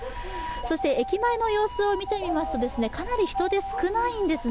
駅前の様子を見てみますと、かなり人出は少ないんですね。